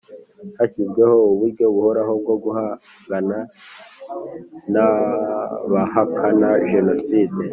hashyizweho uburyo buhoraho bwo guhangana n abahakana Jenoside